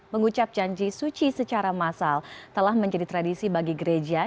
mengucap janji suci secara massal telah menjadi tradisi bagi gereja